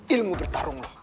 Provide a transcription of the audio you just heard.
ilmu bertarung lo